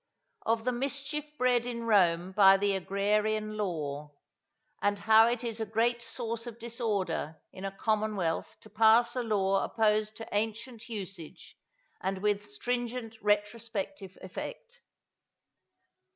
—_Of the Mischief bred in Rome by the Agrarian Law: and how it is a great source of disorder in a Commonwealth to pass a Law opposed to ancient Usage and with stringent retrospective Effect.